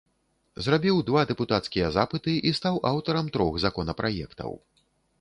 Зрабіў два дэпутацкія запыты і стаў аўтарам трох законапраектаў.